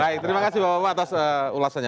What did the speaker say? baik terima kasih bapak bapak atas ulasannya